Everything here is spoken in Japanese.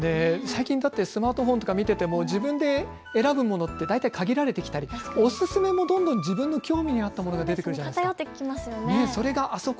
最近、スマートフォンとか見ていても自分で選ぶものって大体、限られてきたりおすすめもどんどん自分の興味のあったものになったり偏ってきますよね。